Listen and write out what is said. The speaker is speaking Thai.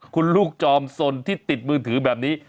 คุณลูกจอมสนที่ติดมือถือแบบนี้